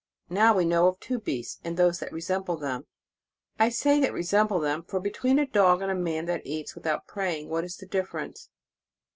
Now we know of two beasts, and those that resemble them. I say that resemble them, for between a dog, and a man that eats without praying, what is the difference?